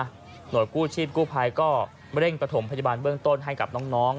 หน่วยกู้ชีพกู้ภัยก็เร่งประถมพยาบาลเบื้องต้นให้กับน้อง